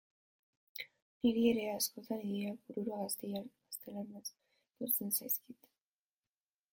Niri ere, askotan, ideiak burura gaztelaniaz etortzen zaizkit.